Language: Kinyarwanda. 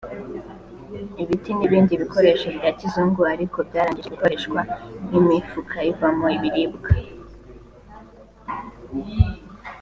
ibiti n’ibindi bikoresho bya kizungu ariko byarangije gukoreshwa nk’imifuka ivamo ibiribwa